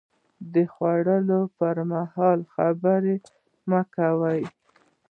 د خوړو پر مهال خبرې مه کوئ